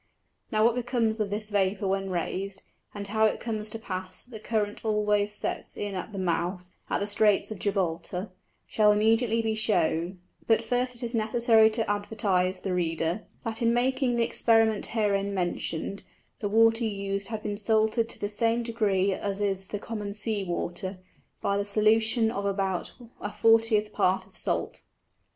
Now what becomes of this Vapour when rais'd, and how it comes to pass that the Current always sets in at the Mouth, of the Streights of Gibralter, shall immediately be shew'd: But first it is necessary to advertise the Reader, that in making the Experiment herein mention'd, the Water used had been salted to the same degree as is the common Sea water, by the Solution of about a 40th part of Salt.